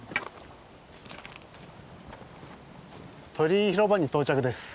鳥居広場に到着です。